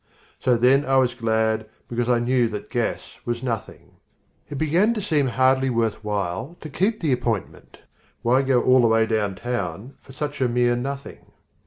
So then I was glad because I knew that gas was nothing. It began to seem hardly worth while to keep the appointment. Why go all the way downtown for such a mere nothing?